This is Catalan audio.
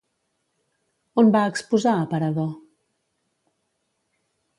On va exposar Aparador?